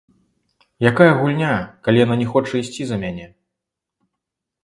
Якая гульня, калі яна не хоча ісці за мяне.